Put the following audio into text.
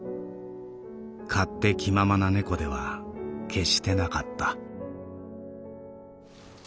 勝手気ままな猫では決してなかった」。